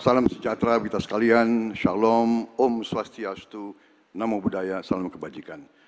salam sejahtera kita sekalian shalom om swastiastu namo buddhaya salam kebajikan